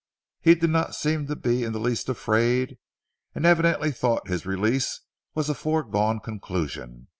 He did not seem to be in the least afraid, and evidently thought his release was a foregone conclusion.